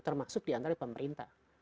termasuk diantara pemerintah